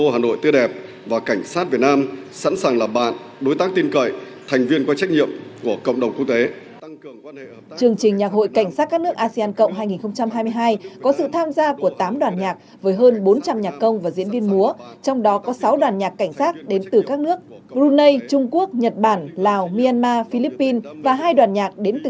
hãy đăng ký kênh để ủng hộ kênh của chúng mình nhé